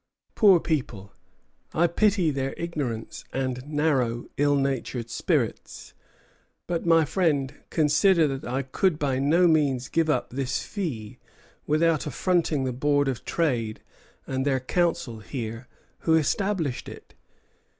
Poor people! I pity their ignorance and narrow, ill natured spirits. But, my friend, consider that I could by no means give up this fee without affronting the Board of Trade and the Council here who established it."